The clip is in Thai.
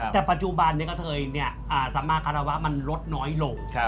แต่ปัจจุบันนี่กะเทยเนี่ยสัมมาคราวะมันลดน้อยลง